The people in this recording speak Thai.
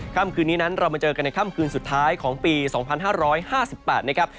ค่ำคืนนี้นั้นเรามาเจอกันในค่ำคืนสุดท้ายของปี๒๕๕๘นะครับ